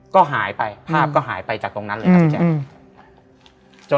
ก็หายไปภาพก็หายไปจากตรงนั้นเลยครับพี่แจ๊ค